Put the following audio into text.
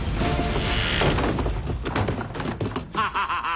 ハハハハ！